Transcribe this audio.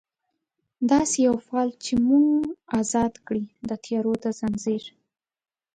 داسي یو فال چې موږ ازاد کړي، د تیارو د ځنځیر